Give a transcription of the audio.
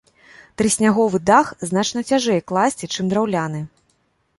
Трысняговы дах значна цяжэй класці, чым драўляны.